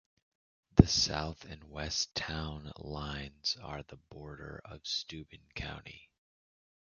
The south and west town lines are the border of Steuben County.